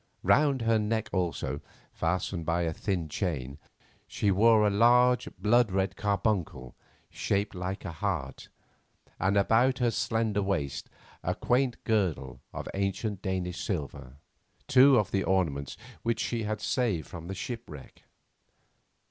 Round her neck also, fastened by a thin chain, she wore a large blood red carbuncle shaped like a heart, and about her slender waist a quaint girdle of ancient Danish silver, two of the ornaments which she had saved from the shipwreck.